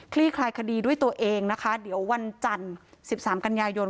คลายคดีด้วยตัวเองนะคะเดี๋ยววันจันทร์๑๓กันยายน